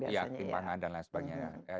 ya timpangan dan lain sebagainya